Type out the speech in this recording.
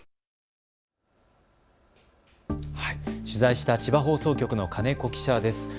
取材した千葉放送局の金子記者です。